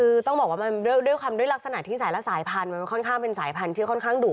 คือต้องบอกว่ามันด้วยความด้วยลักษณะที่สายละสายพันธุ์มันค่อนข้างเป็นสายพันธุ์ที่ค่อนข้างดุ